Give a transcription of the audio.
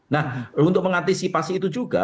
nah untuk mengantisipasi itu juga